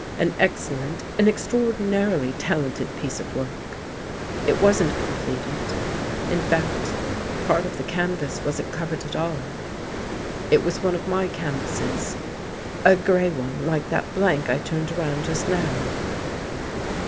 An excellent, an extraordinarily talented piece of work. It wasn't completed. In fact, part of the canvas wasn't covered at all. It was one of my can vases — a gray one like that blank I turned around just now."